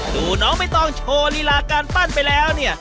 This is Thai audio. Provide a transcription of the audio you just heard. ดูน้องไม่ต้องโชว์ลีลาการปั้นไปแล้วเนี่ย